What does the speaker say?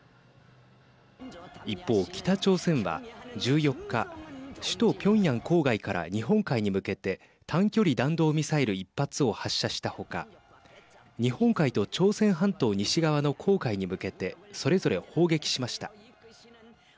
一方、北朝鮮は１４日首都ピョンヤン郊外から日本海に向けて短距離弾道ミサイル１発を発射した他日本海と朝鮮半島西側の黄海に向けてそれぞれ砲撃しました。